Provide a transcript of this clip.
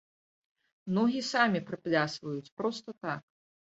Ногі самі прыплясваюць, проста так.